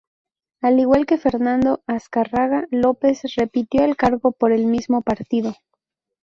Al igual que Fernando Azcárraga López, repitió el cargo por el mismo partido.